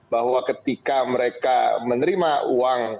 bahwa ketika mereka menerima uang